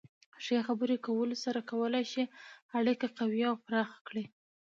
د ښې خبرې کولو سره کولی شئ اړیکه قوي او پراخه کړئ.